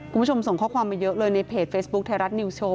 คุณผู้ชมส่งข้อความมาเยอะเลยในเพจเฟซบุ๊คไทยรัฐนิวโชว